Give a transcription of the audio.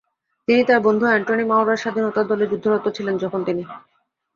তিনি তার বন্ধু অ্যান্টনি মাউরার স্বাধীনতার দলে যুদ্ধরত ছিলেন যখন তিনি।